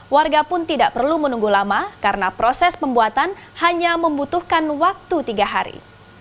warga pun tidak perlu menunggu lama karena proses pembuatan hanya membutuhkan waktu tiga hari